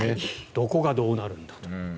どこがどうなるんだと。